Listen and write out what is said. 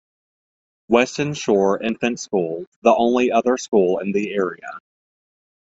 Weston Shore Infant School the only other school in the area.